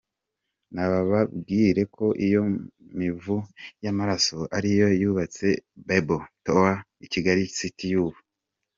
Nababwire ko iyo mivu y’amaraso ariyo yubatse Babel Tower, Kigali city y’ubu.